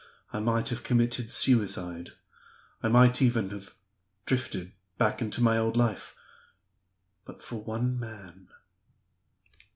I might have committed suicide; I might even have drifted back into my old life but for one man."